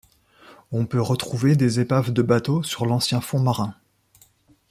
On peut retrouver des épaves de bateaux sur l'ancien fond marin.